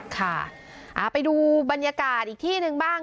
ค่ะไปดูบรรยากาศอีกที่หนึ่งบ้าง